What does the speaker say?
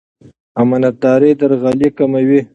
امانتداري درغلي کموي.